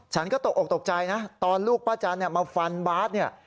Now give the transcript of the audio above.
ฉันก็ตกออกตกใจนะตอนลูกป้าจันมาฟันบาทเนี่ย